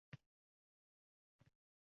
Shu sababli uni vaqt maʼnosida qoʻllash xato